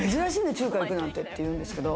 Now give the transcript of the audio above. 中華行くなんてっていうんですけど。